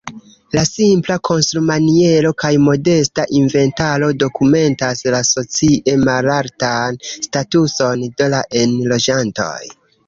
La simpla konstrumaniero kaj modesta inventaro dokumentas la socie malaltan statuson de la enloĝantoj.